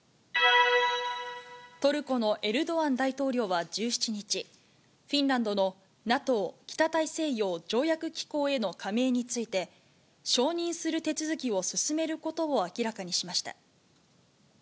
トルコのエルドアン大統領は１７日、フィンランドのＮＡＴＯ・北大西洋条約機構への加盟について、承認する手続きを進めることを明らかにしました。